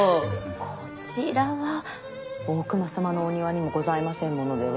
こちらは大隈様のお庭にもございませんものでは？